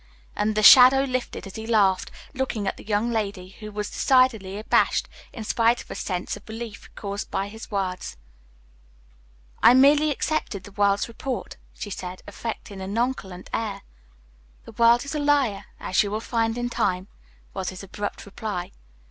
And the shadow lifted as he laughed, looking at the young lady, who was decidedly abashed, in spite of a sense of relief caused by his words. "I merely accepted the world's report," she said, affecting a nonchalant air. "The world is a liar, as you will find in time" was his abrupt reply.